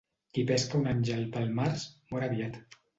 Qui pesca un àngel pel març, mor aviat.